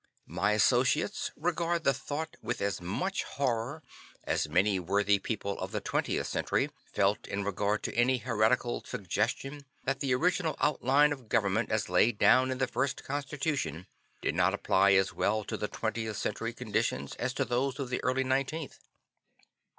My associates regard the thought with as much horror as many worthy people of the 20th Century felt in regard to any heretical suggestion that the original outline of government as laid down in the First Constitution did not apply as well to 20th Century conditions as to those of the early 19th.